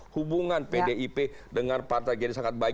hubungan pdip dengan partai jadi sangat baik